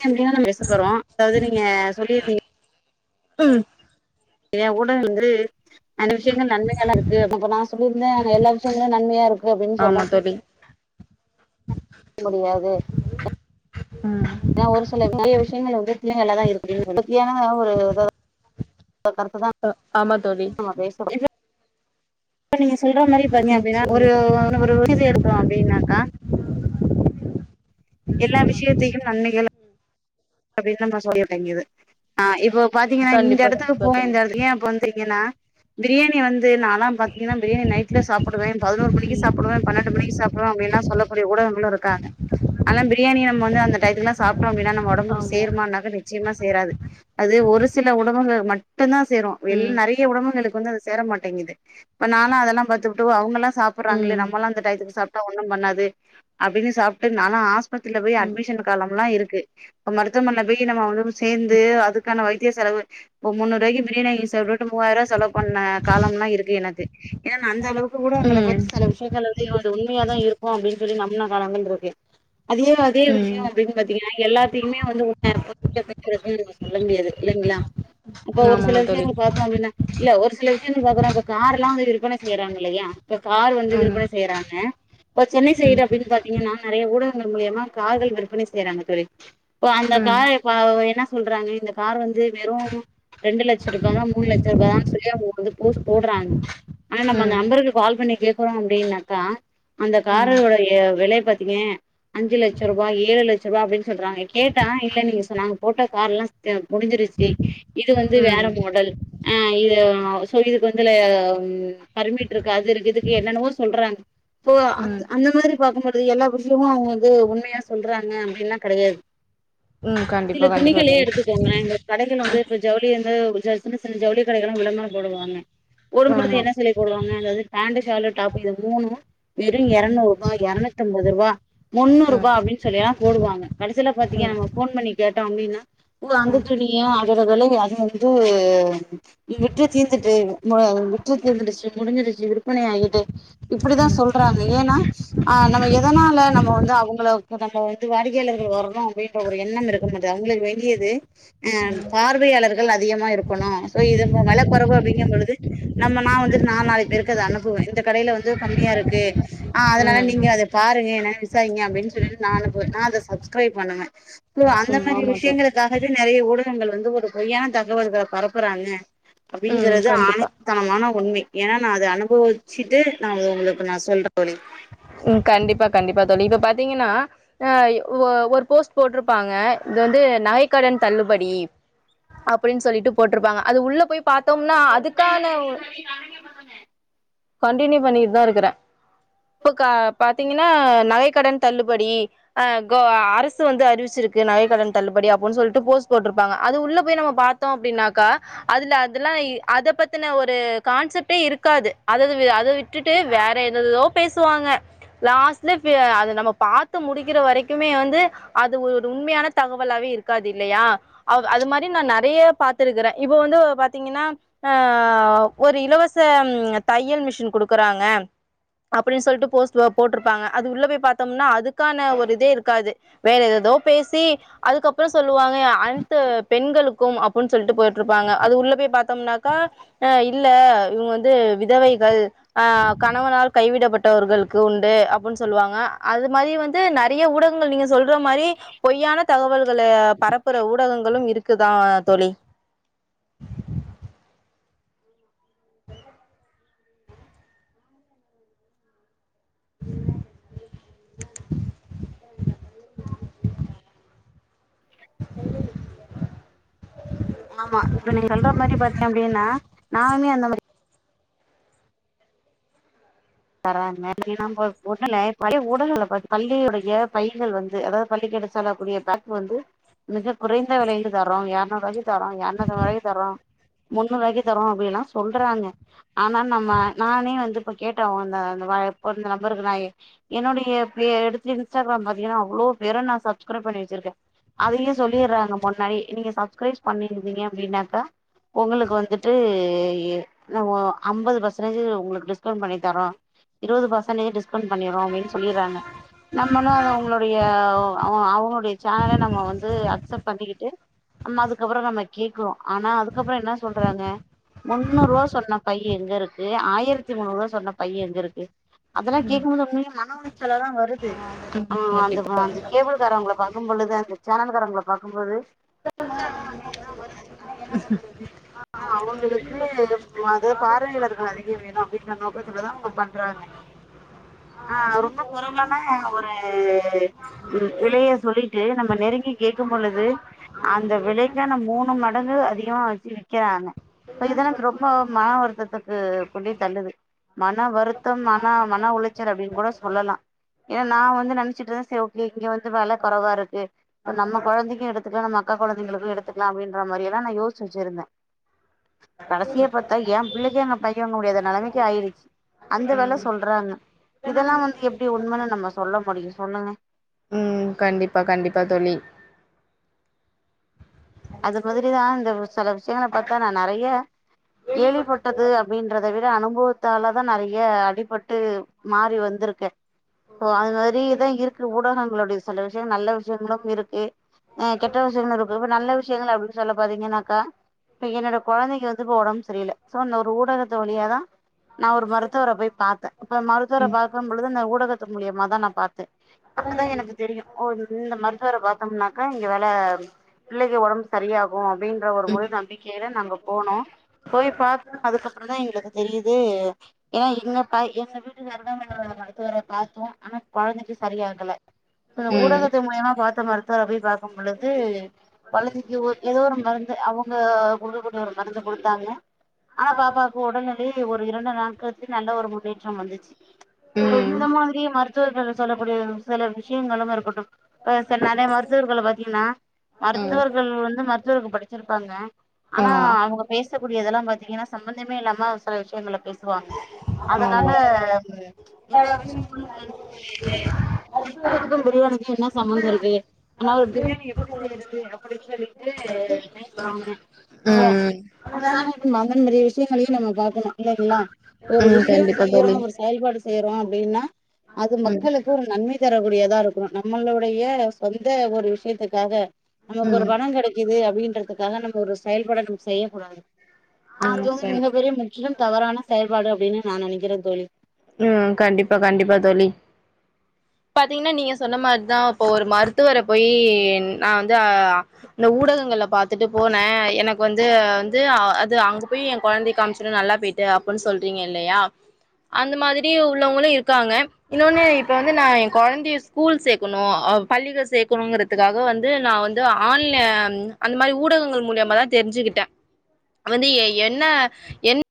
ப்பன நம்ம விசப்பறோ அதாவது நீங்க சொல்லிருந்தீங்க உம் ஏ கூட வந்து அந்த விஷயங்க நன்மையாலா இருக்குப்ப நா சொல்லியிருந்தே எல்லா விஷயங்களு நன்மையாருக்கு அப்படின்னு ஆமா சொன்னே தோழி முடியாது ம் ஏ ஒரு சில பெரிய விஷயங்கள் வந்து பிள்ளைங்கலதா இருக்குங்க ஒரு கருத்து தா அஹ் ஆமா தோழி நம்ம பேசுறோ இப்ப நீங்க சொல்ற மாரி பாத்தீங்க ம் அப்டின்னா சொல்லுங்க ஒரு தோழி ஒரு [unintelligible] து எடுக்கோம் அப்டின்னாக்கா எல்லா விஷயத்தைக்கும் நன்மைகள் கப்பின மசோடி இங்கியது ஆஹ் இப்போ பாத்தீங்கன்னா இந்த கண்டிப்பா இடத்துக்கு கண்டிப்பா போவேன் தோழி இந்த இடத்து ஏன் இப்ப வந்தீங்கன்னா பிரியாணி வந் து நான்லாம் பாத்தீங்கன்னா பிரியாணி நைட்ல சாப்டுவேன் பதினோரு மணிக்கு ம் சாப்டுவேன் பன்னென்டு மணிக்கு சாப்டுவே அப்படின்லா சொல்லக்கூடியடவங்கள இருக்கா ஆனா பிரியாணி நம்ம வந்து அந்த டைத்துக்குலாம் சாப்டோம் அப்டினா நம்ம ஒடம்பு ஆமா சேர்மானாக நிச்சயமா சேராது அது ஒரு சில உடம்புகள் மட் டும்தான் சேரும் வெல் ம் நெறைய உடம்புகளுக்கு வந்து அது சேர மாட்டேங்குது இப்ப நாலாம் அதெல்லாம் பாத்துபுட்டு அவுங்களம் சாப்டுறாங்களே ம் நம்மலும் அந்த டையத்துக்கு சாப் டா ஒண்ணும் பண்ணாது அப்டின்னு சாப்டு நாலம் ஹாஸ்பத்திரில போய் ம் அட்மிஷன் காலம்லாம் இருக்கு கே அ மருத்துவமன பெய் கே நம்ம வந்து சேந்து அதுக்கான வைத்திய செலவு இப்ப முன்னூறு ரூவாய்க்கு பிரியாணி சப்டுட்டு மூவாயிரம் ரூவா செலவு பண்ண காலம்லாம் இருக்கு எனது ஏன்ன அந்த அளவுக்கு கூட உங்கள ம் பத்தி சில விஷயங்கள இருந்து உண்மையா தான் இருக்கும் அப்டின்னு சொல்லி நம்புன காலங்கள் இருக்கு அதே அதே ம் விஷயம் அப்டின்னு பாத்தீங்கன்னா எல்லாத் இது உண்ம [inaudible] சொல்லவே முடியாது ல ங்களா அப்ப ஒரு சில ஆமாங்க தோழி விஷயங்கலுக்கொசம் அப்டின இல்ல ஒரு சில விஷயம் பாக்குறோம் இப்ப கார்லாம் வந்து விற்பனை செய் றாங்க இல்லையா இப்ப கார் வந்து ம் விற்பனை செய்யறாங்க இப்ப சென்னை சைடு ம் அப்டின்னு பாத்தீங்கன்னா நறைய ஊடங்க கள் மூலியமா கார்கள் விற்பனை செய்றாங்க தோழி இப்போ அந்த ம் ம் கார் இப்போ அவுர் என்ன சொல்றாங்க இந்த கார் வந்து வெறும் ரெண்டு லட்சம் ரூபாய்தான் மூணு லட்சம் ரூபாயதா சொல்லி அவுங்க வந்து போஸ் போடுறாங்க ஆனா நம்ம அந்த ம் நம்பருக்கு கால் பண்ணி கேக்கு போனும் அப்டின்னாக்கா அந்த காருருடய விலை பத் ஏன் அஞ்சுலட்ச ரூபா ஏழு லச் செவாவின் சொல்றாங்க கேட்டன் இல்ல நீங்க சொன்னாங்க போட்ட கார் எலாம் முடிஞ்சிருச்சு இது வந்து வேற ம் மாடல் அஹ் இது சோ இதுக்கு வந்துல ம் பர்மிட் இருக்கு அது இருக்கு இதுக்கு என்னன்னோ சொல்றாங்க சோ அந்த ம் அந்த மாரி பாக்கும்பொழுது எல்லா புரு இவுங்க அவுங்க வந்து உண்மையா சொல்றாங்க அப்டினா கெடையாது ம் கண்டிப்பா சில கண்டிப்பா துணிகளையே தோழி எடுத்துக்கோங்களே எங்களுக்கு கடைகள் வந்து இப்ப ஜவுளி வந் து சின்ன சின்ன ஜவுளி கடைகளாம் விளம்பரம் போடுவாங்க போடும்பொழுது ஆமா என்ன சொல்லி போடுவாங்க அதாவது பேண்டு ஷாலு டாப்பு இது மூணு வெறு எரநூறு ரூவா எரநூத்து அம்பது ரூவா முன்னூறு ம் ரூவா அப்டினு சொல்லி லா போடுவாங்க கடசில பாத்தீங்கங்க ம் நம்ம போன் பண்ணி கேட் டோமினா ஓ அந்த ம் துணியா அதுல்ல வெலை அதிகம் இது விட்று தீர்ந்துட்டு மோ விற்று தீர்ந்துடுச்சு முடிஞ்சிடுச்சு விற் விற்பனையாகிட்டு இப்டிதா சொல்றாங்க ஏன்னா அஹ் நம்ம எதனால நம்ம வந்து அவுங்கள இப்ப நம்மோ வந்து வாடி க்கையாளர்கள் வரணு அப்டின்ற ஒரு எண்ணம் இருக்குனது அவுங்களுக்கு வேண்டியது ஆஹ் பார்வையாளர் கள் அதிகமா இருக்கணு சோ இது வெல கொறவு அப்டிங்க பொழுது நம்ம நா வந்துட்டு ந நாலு பேருக்கு அத அனுப்புவே இந்த கடையில வந்து கம்மியா இருக்கு ஆஹ் அதனால ம் நீங்க அத பாருங்கே என்னனு விசாரிங்க அப்டினு சொல்லிட்டு நா அனுப்புவே நா அந்த ஸ் சப்ஸ்கிரைப் பண்ணனும் சோ அந்த ம் மாரி ஆமா தோழி விஷயங்களுக்காகவே நெறைய ஊட கங்கள் வந்து ஒரு பொய்யான தகவல்கள பரப்புறாங்க ம் அப்டிங்கறது கண்டிப்பா ஆணித்தனமான உண்மை ஏன்னா நா அத அனுபவிச்சுட்டு நாங்க உங்களுக்கு நா சொல்ற வழி உம் கண்டிப்பா கண்டிப்பா தோழி இப்ப பாத்தீங்கன்னா ஆ இ ஓர் ஒரு போஸ்ட் போட்டிருப்பாங்க இது வந்து நகைக்கடன் தள்ளுபடி அப்டினு சொல்லிட்டு போட்ருப்பாங்க அது உள்ள போய் பாத்தோ னா அதுக்கான ஒ கன்டினியூ பண்ணிட்டு தா இருக்கறே இப்ப க பாத்தீங்கன்னா நகை கடன் தள்ளுபடி அஹ் கொ அ அரசு வந்து அறிவிச்சிருக்கு நகை கடன் தள்ளுபடி அப்புனு சொல்லிட்டு போஸ்ட் போட்ருப்பாங்க அது உள்ள போய் நம்ம பாத்தோ அப்டின்னாக்கா அதுல அதெல்லாயி அத பத்தின ஒரு கான்செப்டே இருக்காது அதது அத விட்டுட்டு வேற எதததோ பேசுவாங்க லாஸ்ட்ல ஃபிய அத நம்ம பாத்து முடிக்கிற வரைக்குமே வந்து அது ஒரு ஒரு உண்மையான தகவலாவே இருக்காது இல்லையா அவ அது மாரி நா நெறைய பாத்துருக்குறே இப்போ வந்து பாத்தீங்கன்னா ஆ ஒரு இலவச தையல் மிஷின் குடுக்குறாங்க அப்டினு சொல்லிட்டு போஸ்ட் போட்ருப்பாங்க அது உள்ள போய் பாத்தோம்னா அதுக்கான ஒரு இதே இருக்காது வேற எததோ பேசி அதுக்கப்பறோ சொல்லுவாங்க அனைத்து பெண்களுக்கும் அப்புனு சொல்லிட்டு போட்டுருப்பாங்க அது உள்ள போய் பாத்தோம்னாக்கா அ இல்ல இவுங்க வந்து வித் விதவைகள் அ கணவனால் கைவிடப்பட்டவர்களுக்கு உண்டு அப்டினு சொல்லுவாங்க அது மாரி வந்து நெறைய ஊடகங்கள் நீங்க சொ சொல்ற மாரி பொய்யான தகவல் கல பரப்புற ஊடகங்களும் இருக் க்குதா தோழி [inaudible] [inaudible] [inaudible] ஆமா இப்ப நீங்க சொல்ற மாரி பாத்தீங்க அப்படின்னா நானுமே அந்த மாரி தராங்க ஏன்னா ஒண்ணுல பழைய ஊடல்ல பள்ளியுடைய பைகள் வந்து அதாவது பள்ளிக்கு எடுத்செல்லக்கூடிய பேக் வந்து மிக குறைந்த விலைக்கு தரோ எரணுரூவாக்கி தரோ என்னதுவாக்கி தரோ முன்னுருவாக்கி தரோ அப்டிலா சொல்றாங்க ஆனா நம்ம நானே வந்து இப்ப கேட் ட்ட வந்த அந்த வாயிப் ஒரு இந்த நம்பருக்கு நா என்னுடைய ப்ளோ எடுத்து இன்ஸ்டாகிராம் பாத்தீங்கன்னா அவ்ளோ பேர நா சப்ஸ்கிரைப் பண்ணி வெச்சிருக்கே அதுலியே சொல்லிறாங்க முன்னாடி நீங்க சப்ஸ்கிரைஸ் பண்ணிருந்தீங்க அப்டின்னாக்கா உங்களுக்கு வந்துட்டு எ ந வோ அம்பது பர்சன்டேஜ் உங்குளுக்கு டிஸ்கவுண்ட் பண்ணிட் றோ இருவது பர்சன்டேஜ் டிஸ்கவுண்ட் பண்ணிறோ அப்புடின் சொல்லிறாங்க நம்மளு அத அவங்குளோடைய அவ அவங்களுடைய சேனல நம்ம வந்து அக்சப்பண்ணிக்கிட்டு அதுக்கப்பறோ நம்ப கேக்குறொ ஆனா அதுக்கப்பற என்ன சொல்றாங்க முன்னூறு ரூபா சொன்ன பை எங்க இருக்கு ஆயிரத்தி முன்னூறு ரூபா சொன்ன பை எங்க ருக்கு அதெல்லா கேக்குபோது உண்மையிலே நா [unintelligible] தா வருது ஆ அந்த கண்டிப்பா வா அந்த கேபுளு காரவ்கங்கள பாக் க்கும்போழுது அந்த சேனல் காரங்கள பாக்கும்போது திட்டனு அப்டின்தா வருது ஆனா என்ன பண்றது அவங்களுக்கு அது பார்வையில்லாதவங்க அதிக வேணு அப்டின்ற நோக் கத்துலத அவுங்க பண்றாங்க ஆ ரொம்ப குறைவான ஒரு விலைய சொல்லிட்டு நம்ம நெருங்கி கேக்கும் பொழுது அந்த விலைக்கான மூணு மடங்கு அதிகமா வெச்சு விக்கிறாங்க இப்ப இதெல்லா ரொம்ப மன வருத்தத்துக்கு கொண்டு போய் தள்ளுது மன வருத்தம் ஆனா மன உளைச்சல் அப்டினு கூட சொல்லலா ஏனா நா வந்து நெனச்சுட்டு செரி ஓகே இங்க வந்து வெல கொறவா இருக்கு நம்ம கொழந்தைக்கு எடுத்துக்கலா நம்ம அக்கா கொழந்தைகளுக்கு எடுத்துக்கலா அப்டின்ற மாரிலா நா யோசிச்சு வெச்சிருந்த கடசியா பாத்தா எம் பிள்ளைக்கே அங்க பை வாங்க முடியாத நெலமைக் கு ஆயிருச்சி அந்த வேல சொல்றாங்க இதெல்லா வந்து எப்படி உண்மனு நம்ம சொல்ல முடியு சொல்லுங்க உம் கண்டிப்பா கண்டிப்பா தோழி அது மாதிரிதா இந்த சில விஷயங்கள பாத்தா நா நறைய கேள்விப்பட்டது அப்டின்றத விட அனுபவத்தாலதா நெறைய அடிபட் டு மாறி வந்துருக்கு ப்போ அது மாதிரிதா இருக்கு ஊடகங்களுடைய சில விஷய நல்ல விஷயங்களும் இருக்கு கெட்ட விஷயங்களுருக்கு இப்ப நல்ல விஷ அப்டினு சொல்ல போறிங்கனாக்கா இப்ப என்னோட கொழந்தைக்கு வந்து இப்ப ஒடம்பு சரியில்ல சோ அந்த ஒரு ஊடகத்து வழியாத நா ஒரு மருத்துவர போய் பாத்த இப்ப மருத்துவர உம் பாக்கும் பொழுது இந்த ஊடகத்து மூலியமாதா நா பாத்தே அப்பதா எனக்கு தெரியு ஒ இந்த மருத்துவர பாத்தம்னாக்க இங்க வர பிள்ளைக ஒடம்புக்கு செரியாகு அப்டின்ற ஒரு முழு நம்பிக்கைல நாங்க போனோ போய் பாத்து அதுக்கப்பறந்தா எங்களுக்கு தெரியுது ஏனா [unintelligible] நரம்பியல் நல மருத்துவர பாத்தோ ஆனா கொழந்தைக்கு சரியாகல உம் ஊடகத்து மூலியமா பாத்த மருத்துவர போய் பாக்கும் பொழுது கொழந்தைக் குத் ஏதோ ஒரு மருந்து அவங்க குடுக்கக்கூடிய ஒரு மருந்து குடுத்தாங்க ஆனா பாப்பாக்கு உடனடி ஒரு இரண்டு நாட்களுக்கு நல்ல ஒரு முன்னேற்றம் வந் சோ உம் இந்த உம் மாதிரி மருத்துவர்கள் சொல்லக்கூடிய ம் சில விஷயங்களும் இருக்குட்டும் அ சில நறைய மருத்துவர்கள் பாத்தீங்கன்னா ம் ம் மருத்துவர் இவர்கள் வந்து மருத்துவக்கு படிச்சிருப்பாங்க ஆனா அவங்க பேசக்கூடிய இதெல்லா பாத்தீங்கன்னா சம்மந்தமே இல்லாம சில விஷயங்கள பேசுவாங்க அதனால ஆமா எல்ல விஷயங்களுக்கு [unintelligible] மருத்துவருக்கு பிரியாணிக்கு என்ன சம்மந்தோ இருக்கு ஆனா ஒரு பிரியாணி எப்படி செய்யறது சரின்ட்டு பேசுவாங்க போ ம் [unintelligible] மாரியே விஷயம் நம்பலையும் நம்ம பா ஹ் இல்லைங்களா ஒரு ம் விஷயம் கண்டிப்பா தோழி செய்யறோம் ஒரு செயல்பாடு செய்யறோம் அப்படின்னா அது ம் மக்களுக்கு ஒரு நன்மை தரக்கூடியதா இருக்கும் நம்மளுடைய ஷ் சொந்த ஒரு விஷயத்துக்காக நமக்கு ஒரு ம் பணம் கிடைக்குது அப்படின்றது காக நம்ம ஒரு செயல்பட ம் செய்யக்கூடாது ஆதோம் ம் மிகப்ம் பெரிய முற்றிலும் தவறான செயல் பாடு அப்படின்னு நினைக்ரே தோழி ம் கண்டிப்பா கண்டிப்பா தோழி பாத்தீங்கன்னா நீங்க சொன்ன மாதிரிதான் இப்ப ஒரு மருத்துவரை போயி நான் வந்து அஹ் அந்த ஊடகங்கள்ல பாாரத்துட்டு போனேன் எனக்கு வந்து வந்து அது அங்க போய் என் குழந்தை காமிச்சுன்ன நல்லா போயிட்டு அப்புடின்னு சொல்றீங்க இல்லையா அந்த மாதிரி உள்ளவங்களும் இரு இருக்காங்க இன்னொன்னு இப்ப வந்து நான் என் குழந்தைய ஸ்கூல் சேர்க்கணும். பள்ளிகள் சேர்க்கணுங்கறதுக்காக வந்து நான் வந்து ஆன் அந்த மாரி ஊடகங்கள் மூழியமாதான் தெரிஞ்சுகிட்டேன் வந்து என்ன என்